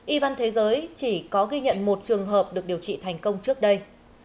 y văn thế giới chỉ có ghi nhận một trường hợp được điều trị thành công trước đây